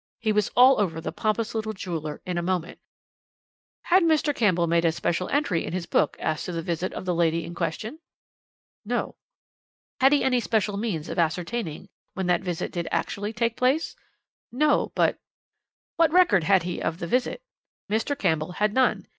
He was all over the pompous little jeweller in a moment. "'Had Mr. Campbell made a special entry in his book, as to the visit of the lady in question?' "'No.' "'Had he any special means of ascertaining when that visit did actually take place?' "'No but ' "'What record had he of the visit?' "Mr. Campbell had none.